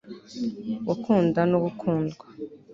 gukunda no gukundwa